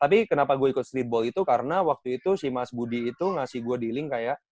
tapi kenapa gue ikut streetball itu karena waktu itu si mas budi itu ngasih gue dealing kayak